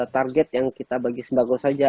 target yang kita bagi sembako saja